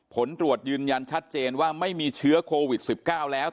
ผลตรวจยืนยันชัดเจนว่าไม่มีเชื้อโควิด๑๙แล้ว